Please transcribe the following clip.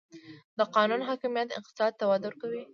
د قانون حاکمیت اقتصاد ته وده ورکوي؟